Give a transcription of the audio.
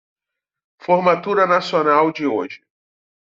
Formatura nacional de hoje